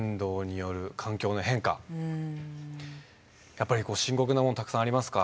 やっぱり深刻なものたくさんありますか？